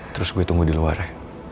terus gue tunggu di luar